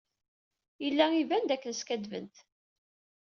Yella iban dakken skaddbent.